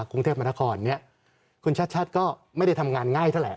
กรุงเทพมันธคอนเนี้ยคุณชัดชาติก็ไม่ได้ทำงานง่ายเท่าแหละ